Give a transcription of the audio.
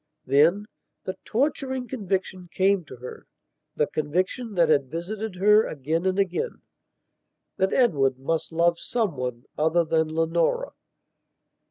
Then, the torturing conviction came to herthe conviction that had visited her again and againthat Edward must love some one other than Leonora.